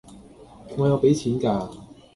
我有俾錢嫁